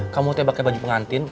kamu teh pake baju pengantin